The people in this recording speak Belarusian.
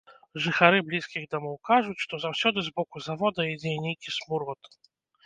Жыхары блізкіх дамоў кажуць, што заўсёды з боку завода ідзе нейкі смурод.